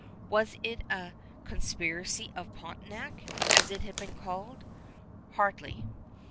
Was it a "Conspiracy of Pontiac," as it has been called? Hardly.